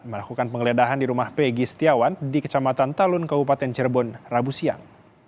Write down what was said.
melakukan penggeledahan di rumah pegi setiawan di kecamatan talun kabupaten cirebon rabu siang